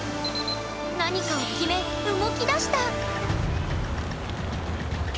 何かを決め動き出した！